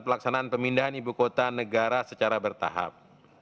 pelaksanaan pemindahan ibu kota negara secara bertahap